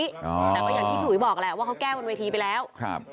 แต่อย่างที่ผู้หญิงบอกล่ะว่าเขาแก้วบรรเวรีไปแล้ว